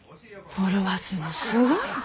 フォロワー数もすごいの。